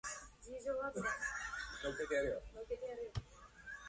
非我は他我即ち他の人間でなくて物の世界のことであった。